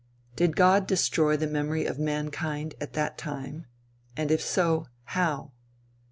Did God destroy the memory of mankind at that time, and if so, how?